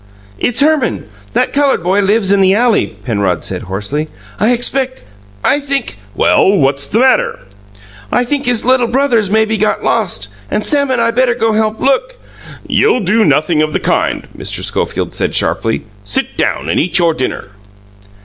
"It's Herman that coloured boy lives in the alley," Penrod said hoarsely. "I expect I think " "Well, what's the matter?" "I think his little brother's maybe got lost, and Sam and I better go help look " "You'll do nothing of the kind," Mr. Schofield said sharply. "Sit down and eat your dinner."